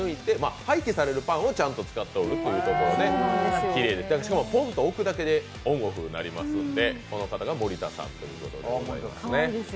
廃棄されるパンをちゃんと使っておるということできれいでしかもポンと置くだけでオンオフになりますので、この方が森田さんということです。